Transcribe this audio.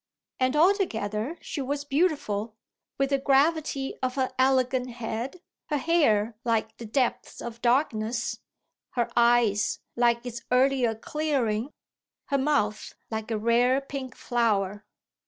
And altogether she was beautiful, with the gravity of her elegant head, her hair like the depths of darkness, her eyes like its earlier clearing, her mouth like a rare pink flower.